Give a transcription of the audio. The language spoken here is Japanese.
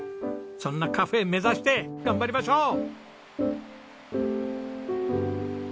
そんなカフェ目指して頑張りましょう。